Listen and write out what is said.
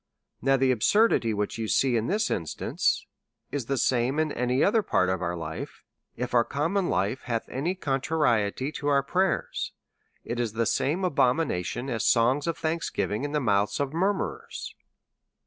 Now the ab surdity which you see in this instance is the same in liny other part of our life ; if our common life hath jiny contrariety to our prayers, it is the same abomin ation as songs of thanksgiving in the mouths of mur murers.